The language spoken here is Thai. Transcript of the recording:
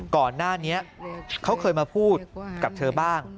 ก่อนหน้านี้เขาเคยมาพูดกับเธอบ้าง